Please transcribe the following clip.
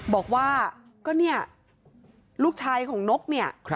บอกว่าก็เนี่ยลูกชายของนกเนี่ย